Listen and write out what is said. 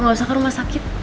nggak usah ke rumah sakit